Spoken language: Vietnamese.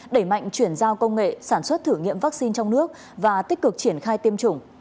đẩy mạnh chuyển giao công nghệ sản xuất thử nghiệm vaccine trong nước và tích cực triển khai tiêm chủng